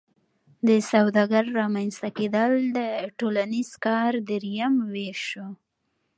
د سوداګر رامنځته کیدل د ټولنیز کار دریم ویش شو.